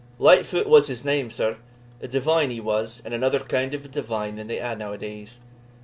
"Lightfoot was his name, sir; a divine he was, and another kind of a divine than they hae now adays.